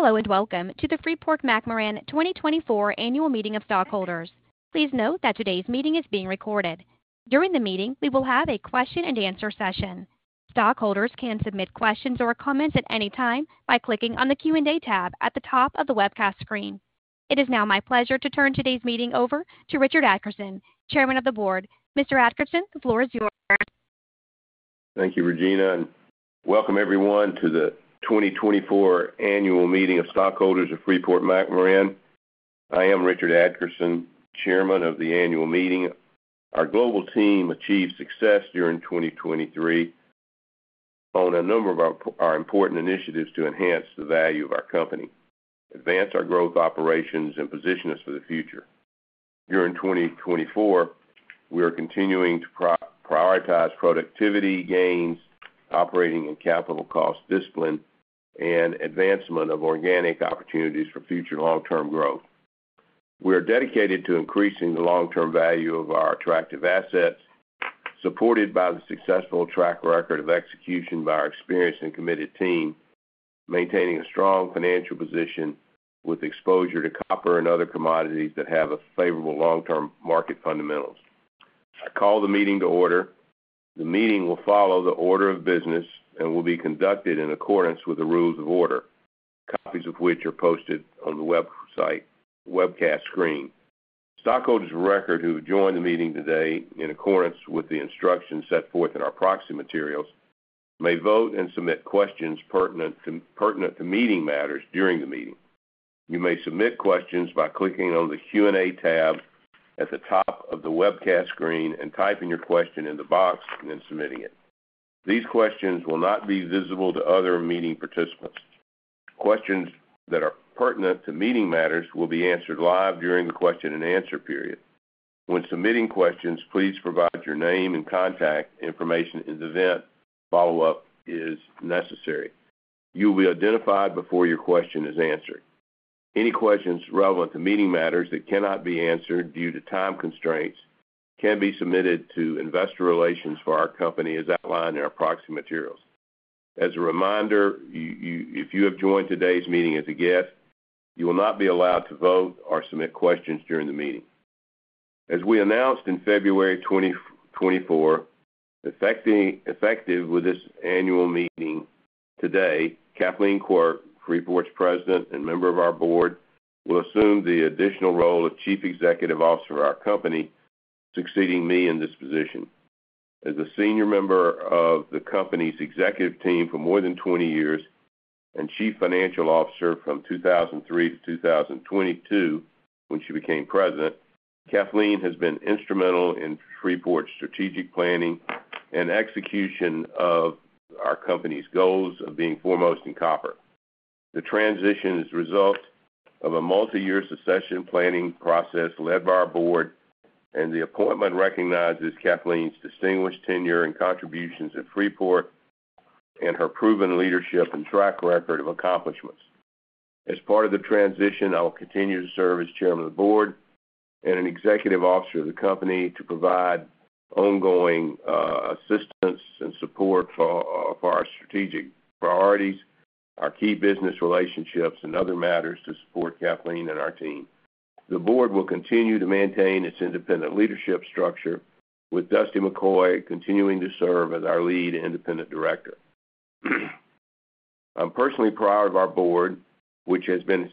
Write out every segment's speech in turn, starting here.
Hello, and welcome to the Freeport-McMoRan 2024 Annual Meeting of Stockholders. Please note that today's meeting is being recorded. During the meeting, we will have a question and answer session. Stockholders can submit questions or comments at any time by clicking on the Q&A tab at the top of the webcast screen. It is now my pleasure to turn today's meeting over to Richard Adkerson, Chairman of the Board. Mr. Adkerson, the floor is yours. Thank you, Regina, and welcome everyone to the 2024 Annual Meeting of Stockholders of Freeport-McMoRan. I am Richard Adkerson, Chairman of the annual meeting. Our global team achieved success during 2023 on a number of our important initiatives to enhance the value of our company, advance our growth operations, and position us for the future. During 2024, we are continuing to prioritize productivity gains, operating and capital cost discipline, and advancement of organic opportunities for future long-term growth. We are dedicated to increasing the long-term value of our attractive assets, supported by the successful track record of execution by our experienced and committed team, maintaining a strong financial position with exposure to copper and other commodities that have a favorable long-term market fundamentals. I call the meeting to order. The meeting will follow the order of business and will be conducted in accordance with the rules of order, copies of which are posted on the website, webcast screen. Stockholders of record who have joined the meeting today, in accordance with the instructions set forth in our proxy materials, may vote and submit questions pertinent to meeting matters during the meeting. You may submit questions by clicking on the Q&A tab at the top of the webcast screen and typing your question in the box and then submitting it. These questions will not be visible to other meeting participants. Questions that are pertinent to meeting matters will be answered live during the question and answer period. When submitting questions, please provide your name and contact information in the event follow-up is necessary. You will be identified before your question is answered. Any questions relevant to meeting matters that cannot be answered due to time constraints can be submitted to investor relations for our company, as outlined in our proxy materials. As a reminder, if you have joined today's meeting as a guest, you will not be allowed to vote or submit questions during the meeting. As we announced in February 2024, effective with this annual meeting, today, Kathleen Quirk, Freeport's President and member of our board, will assume the additional role of Chief Executive Officer of our company, succeeding me in this position. As a senior member of the company's executive team for more than 20 years and Chief Financial Officer from 2003 to 2022, when she became President, Kathleen has been instrumental in Freeport's strategic planning and execution of our company's goals of being foremost in copper. The transition is a result of a multi-year succession planning process led by our board, and the appointment recognizes Kathleen's distinguished tenure and contributions at Freeport and her proven leadership and track record of accomplishments. As part of the transition, I will continue to serve as chairman of the board and an executive officer of the company to provide ongoing assistance and support for our strategic priorities, our key business relationships, and other matters to support Kathleen and our team. The board will continue to maintain its independent leadership structure, with Dustan McCoy continuing to serve as our Lead Independent Director. I'm personally proud of our board, which has been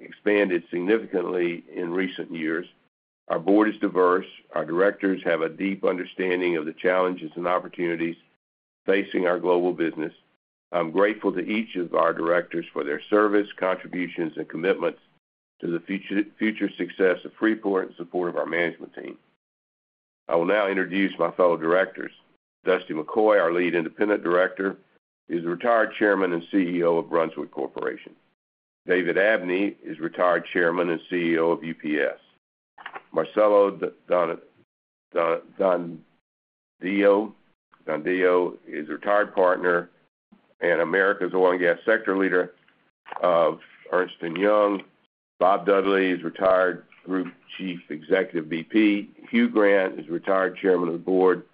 expanded significantly in recent years. Our board is diverse. Our directors have a deep understanding of the challenges and opportunities facing our global business. I'm grateful to each of our directors for their service, contributions and commitment to the future success of Freeport in support of our management team. I will now introduce my fellow directors. Dustan McCoy, our Lead Independent Director, is retired Chairman and CEO of Brunswick Corporation. David Abney is retired Chairman and CEO of UPS. Marcela Donadio is a retired partner and Americas oil and gas sector leader of Ernst & Young. Bob Dudley is retired Group Chief Executive, BP. Hugh Grant is retired Chairman of the Board,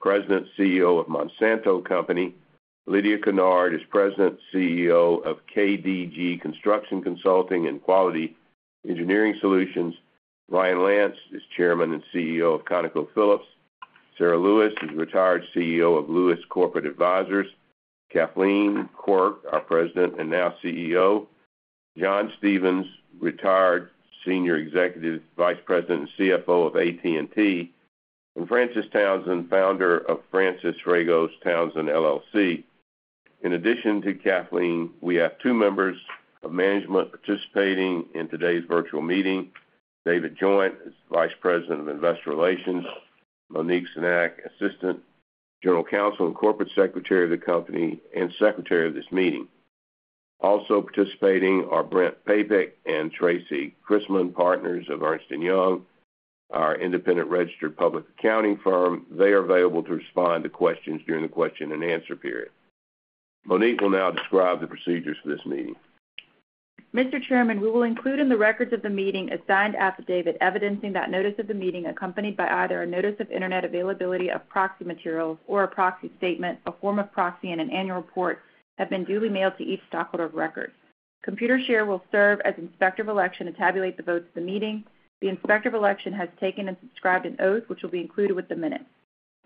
President, CEO of Monsanto Company. Lydia Kennard is President, CEO of KDG Construction Consulting and Quality Engineering Solutions. Ryan Lance is Chairman and CEO of ConocoPhillips. Sara Lewis is retired CEO of Lewis Corporate Advisors. Kathleen Quirk, our President and now CEO. John Stephens, retired Senior Executive Vice President and CFO of AT&T, and Frances Townsend, founder of Frances Fragos Townsend, LLC. In addition to Kathleen, we have two members of management participating in today's virtual meeting. David Joint is Vice President of Investor Relations. Monique Cenac, Assistant General Counsel and Corporate Secretary of the company, and Secretary of this meeting. Also participating are Brent Papek and Tracy Christman, partners of Ernst & Young, our independent registered public accounting firm. They are available to respond to questions during the question and answer period. Monique will now describe the procedures for this meeting. Mr. Chairman, we will include in the records of the meeting a signed affidavit evidencing that notice of the meeting, accompanied by either a notice of internet availability of proxy materials or a proxy statement, a form of proxy, and an annual report, have been duly mailed to each stockholder of record. Computershare will serve as Inspector of Election and tabulate the votes of the meeting. The Inspector of Election has taken and subscribed an oath, which will be included with the minutes.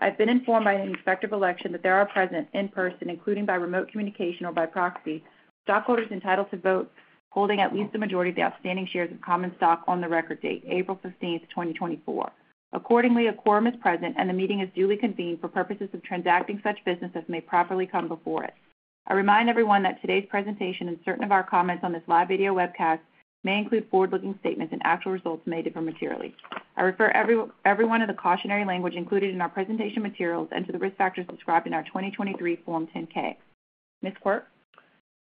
I've been informed by the Inspector of Election that there are present in person, including by remote communication or by proxy, stockholders entitled to vote, holding at least the majority of the outstanding shares of common stock on the record date, April 15th, 2024. Accordingly, a quorum is present, and the meeting is duly convened for purposes of transacting such business as may properly come before us. I remind everyone that today's presentation and certain of our comments on this live video webcast may include forward-looking statements, and actual results may differ materially. I refer everyone to the cautionary language included in our presentation materials and to the risk factors described in our 2023 Form 10-K. Ms. Quirk?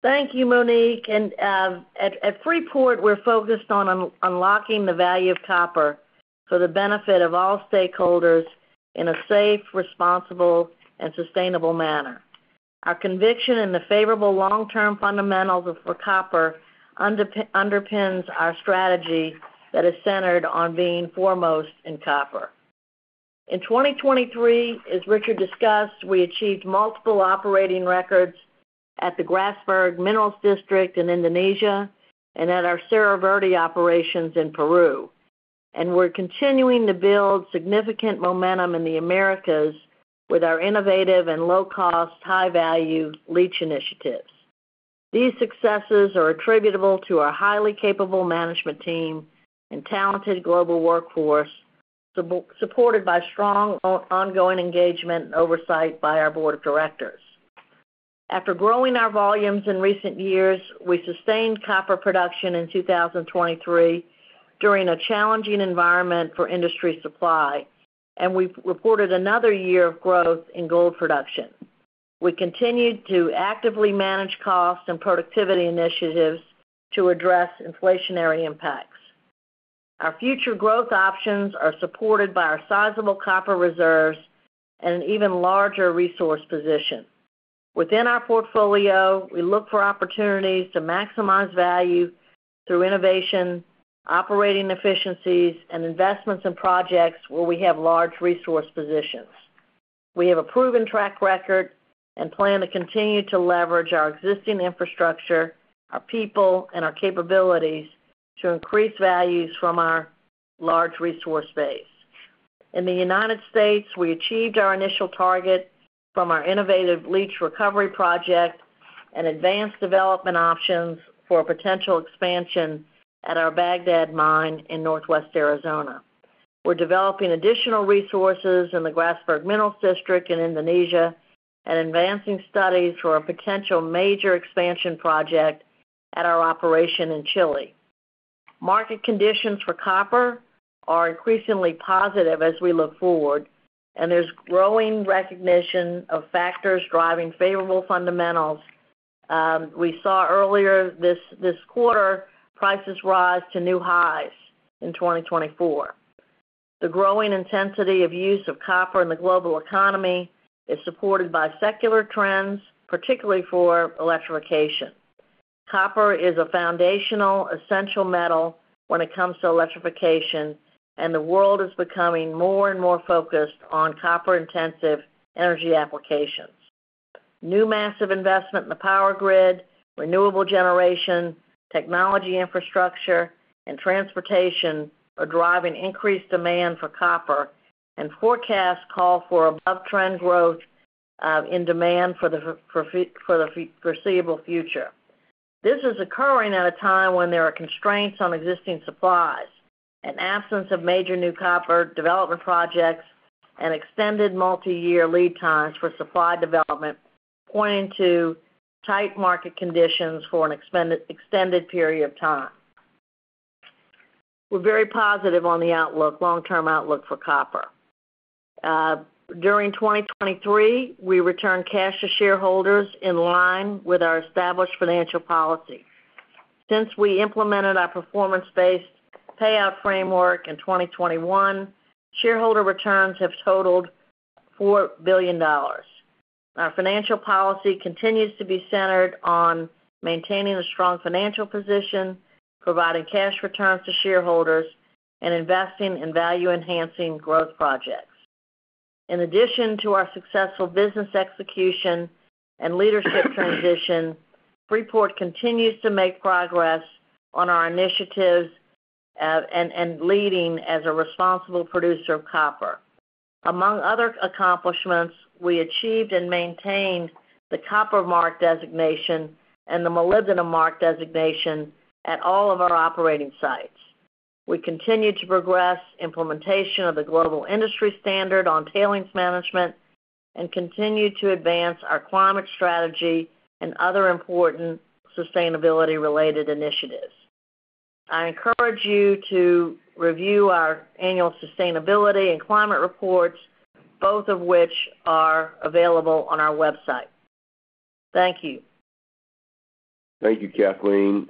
Thank you, Monique. At Freeport, we're focused on unlocking the value of copper for the benefit of all stakeholders in a safe, responsible, and sustainable manner. Our conviction in the favorable long-term fundamentals of copper underpins our strategy that is centered on being foremost in copper. In 2023, as Richard discussed, we achieved multiple operating records at the Grasberg Minerals District in Indonesia and at our Cerro Verde operations in Peru. We're continuing to build significant momentum in the Americas with our innovative and low-cost, high-value leach initiatives. These successes are attributable to our highly capable management team and talented global workforce, supported by strong ongoing engagement and oversight by our board of directors. After growing our volumes in recent years, we sustained copper production in 2023 during a challenging environment for industry supply, and we've reported another year of growth in gold production. We continued to actively manage costs and productivity initiatives to address inflationary impacts. Our future growth options are supported by our sizable copper reserves and an even larger resource position. Within our portfolio, we look for opportunities to maximize value through innovation, operating efficiencies, and investments in projects where we have large resource positions. We have a proven track record and plan to continue to leverage our existing infrastructure, our people, and our capabilities to increase values from our large resource base. In the United States, we achieved our initial target from our innovative leach recovery project and advanced development options for potential expansion at our Bagdad mine in Northwest Arizona. We're developing additional resources in the Grasberg Minerals District in Indonesia and advancing studies for a potential major expansion project at our operation in Chile. Market conditions for copper are increasingly positive as we look forward, and there's growing recognition of factors driving favorable fundamentals. We saw earlier this quarter, prices rise to new highs in 2024. The growing intensity of use of copper in the global economy is supported by secular trends, particularly for electrification. Copper is a foundational, essential metal when it comes to electrification, and the world is becoming more and more focused on copper-intensive energy applications. New massive investment in the power grid, renewable generation, technology infrastructure, and transportation are driving increased demand for copper, and forecasts call for above-trend growth in demand for the foreseeable future. This is occurring at a time when there are constraints on existing supplies, an absence of major new copper development projects, and extended multiyear lead times for supply development, pointing to tight market conditions for an extended, extended period of time. We're very positive on the outlook, long-term outlook for copper. During 2023, we returned cash to shareholders in line with our established financial policy. Since we implemented our performance-based payout framework in 2021, shareholder returns have totaled $4 billion. Our financial policy continues to be centered on maintaining a strong financial position, providing cash returns to shareholders, and investing in value-enhancing growth projects. In addition to our successful business execution and leadership transition, Freeport continues to make progress on our initiatives, and leading as a responsible producer of copper. Among other accomplishments, we achieved and maintained the Copper Mark designation and the Molybdenum Mark designation at all of our operating sites. We continue to progress implementation of the global industry standard on tailings management and continue to advance our climate strategy and other important sustainability-related initiatives. I encourage you to review our annual sustainability and climate reports, both of which are available on our website. Thank you. Thank you, Kathleen.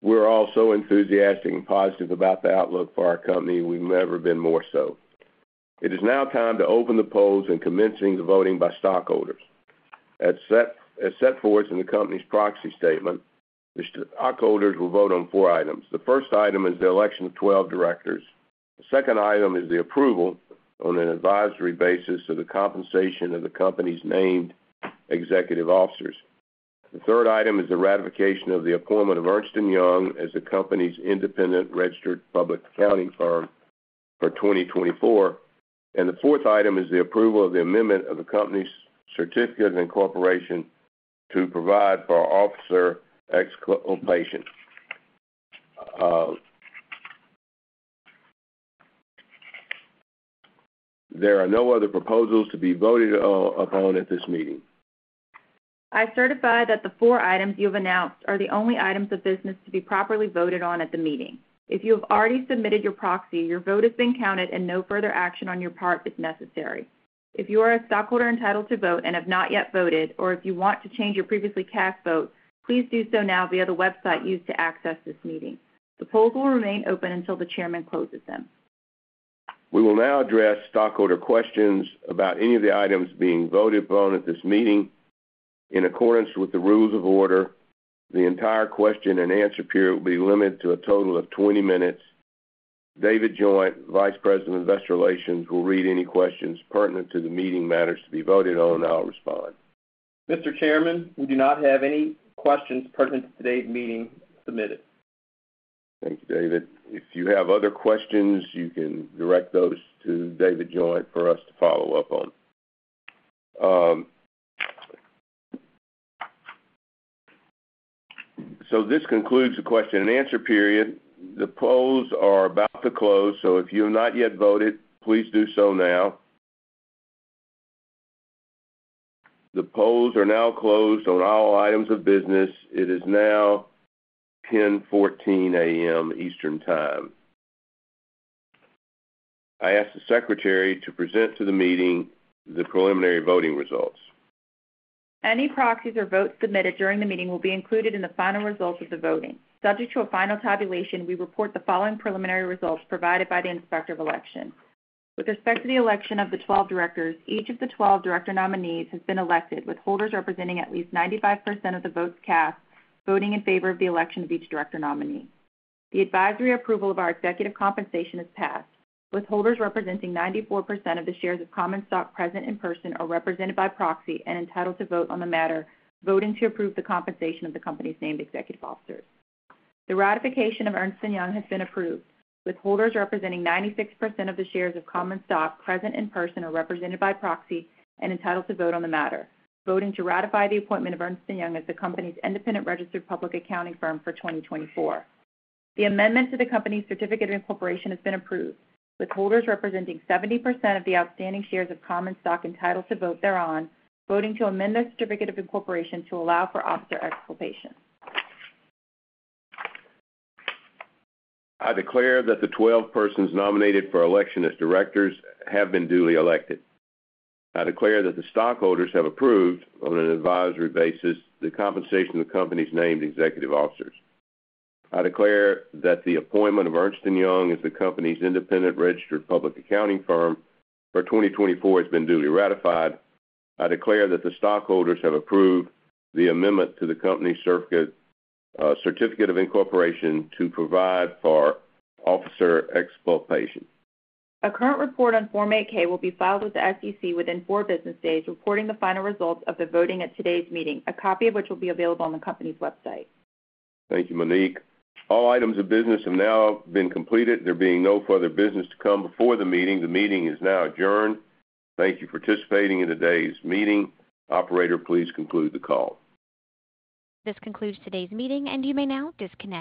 We're all so enthusiastic and positive about the outlook for our company. We've never been more so. It is now time to open the polls and commencing the voting by stockholders. As set forth in the company's proxy statement, the stockholders will vote on four items. The first item is the election of 12 directors. The second item is the approval on an advisory basis of the compensation of the company's named executive officers. The third item is the ratification of the appointment of Ernst & Young as the company's independent registered public accounting firm for 2024. And the fourth item is the approval of the amendment of the company's certificate of incorporation to provide for our officer exculpation. There are no other proposals to be voted upon at this meeting. I certify that the four items you have announced are the only items of business to be properly voted on at the meeting. If you have already submitted your proxy, your vote has been counted and no further action on your part is necessary. If you are a stockholder entitled to vote and have not yet voted, or if you want to change your previously cast vote, please do so now via the website used to access this meeting. The polls will remain open until the chairman closes them. We will now address stockholder questions about any of the items being voted upon at this meeting. In accordance with the rules of order, the entire question-and-answer period will be limited to a total of 20 minutes. David Joint, Vice President of Investor Relations, will read any questions pertinent to the meeting matters to be voted on, and I'll respond. Mr. Chairman, we do not have any questions pertinent to today's meeting submitted. Thank you, David. If you have other questions, you can direct those to David Joint for us to follow up on. So this concludes the question-and-answer period. The polls are about to close, so if you have not yet voted, please do so now. The polls are now closed on all items of business. It is now 10:14 A.M. Eastern Time. I ask the secretary to present to the meeting the preliminary voting results. Any proxies or votes submitted during the meeting will be included in the final results of the voting. Subject to a final tabulation, we report the following preliminary results provided by the Inspector of Election. With respect to the election of the 12 directors, each of the 12 director nominees has been elected, with holders representing at least 95% of the votes cast, voting in favor of the election of each director nominee. The advisory approval of our executive compensation is passed, with holders representing 94% of the shares of common stock present in person or represented by proxy and entitled to vote on the matter, voting to approve the compensation of the company's named executive officers. The ratification of Ernst & Young has been approved, with holders representing 96% of the shares of common stock present in person or represented by proxy and entitled to vote on the matter, voting to ratify the appointment of Ernst & Young as the company's independent registered public accounting firm for 2024. The amendment to the company's certificate of incorporation has been approved, with holders representing 70% of the outstanding shares of common stock entitled to vote thereon, voting to amend the certificate of incorporation to allow for officer exculpation. I declare that the 12 persons nominated for election as directors have been duly elected. I declare that the stockholders have approved, on an advisory basis, the compensation of the company's named executive officers. I declare that the appointment of Ernst & Young as the company's independent registered public accounting firm for 2024 has been duly ratified. I declare that the stockholders have approved the amendment to the company's certificate, certificate of incorporation to provide for officer exculpation. A current report on Form 8-K will be filed with the SEC within four business days, reporting the final results of the voting at today's meeting, a copy of which will be available on the company's website. Thank you, Monique. All items of business have now been completed. There being no further business to come before the meeting, the meeting is now adjourned. Thank you for participating in today's meeting. Operator, please conclude the call. This concludes today's meeting, and you may now disconnect.